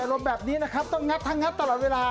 อารมณ์แบบนี้นะครับต้องงับทั้งงับตลอดเวลา